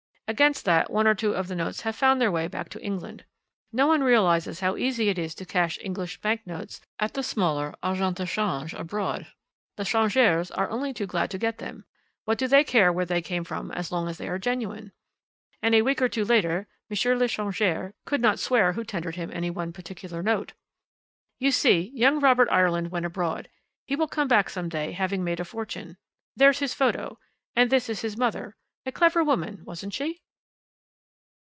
Against that, one or two of the notes have found their way back to England. No one realizes how easy it is to cash English bank notes at the smaller agents de change abroad. The changeurs are only too glad to get them; what do they care where they come from as long as they are genuine? And a week or two later M. le Changeur could not swear who tendered him any one particular note. "You see, young Robert Ireland went abroad, he will come back some day having made a fortune. There's his photo. And this is his mother a clever woman, wasn't she?"